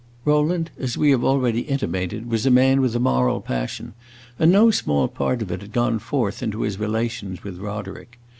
Rowland, as we have already intimated, was a man with a moral passion, and no small part of it had gone forth into his relations with Roderick.